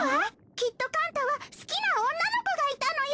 きっとカン太は好きな女の子がいたのよ。